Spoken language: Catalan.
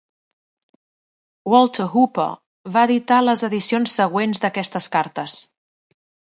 Walter Hooper va editar les edicions següents d'aquestes cartes.